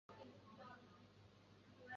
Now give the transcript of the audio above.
蒙特内哥罗公国的首都位于采蒂涅。